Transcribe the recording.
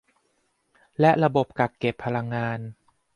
และระบบกักเก็บพลังงาน